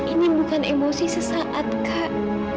ini bukan emosi sesaat kak